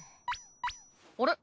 あれ？